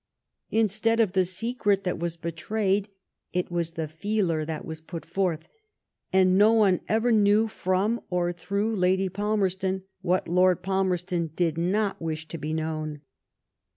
Instead of the secret that was betrayed^ it was the feeler that was put forth ; and no one ever knew from or through Lady Palmerston what Lord Palmerston did not wish to be known."